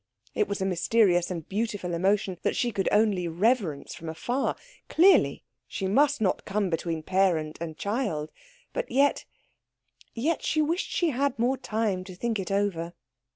It was a mysterious and beautiful emotion that she could only reverence from afar. Clearly she must not come between parent and child; but yet yet she wished she had had more time to think it over.